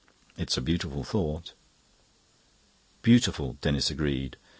It is a beautiful thought." "Beautiful," Denis agreed.